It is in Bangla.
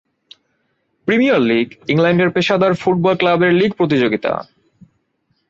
প্রিমিয়ার লীগ ইংল্যান্ডের পেশাদার ফুটবল ক্লাবের লীগ প্রতিযোগিতা।